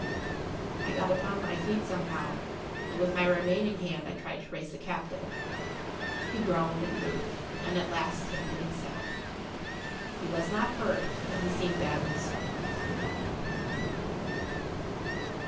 I got upon my feet somehow, and with my remaining hand I tried to raise the captain. He[Pg 69] groaned and moved, and at last came to himself. He was not hurt, but he seemed badly stunned.